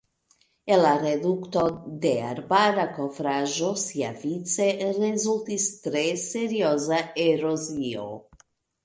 El la redukto de arbara kovraĵo siavice rezultis tre serioza erozio.